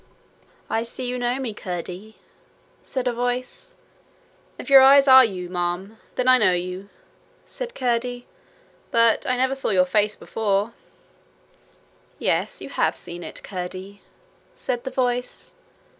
'I see you know me, Curdie,' said a voice. 'If your eyes are you, ma'am, then I know you,' said Curdie. 'But I never saw your face before.' 'Yes, you have seen it, Curdie,' said the voice.